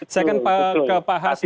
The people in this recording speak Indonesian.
saya kan ke pak hasbi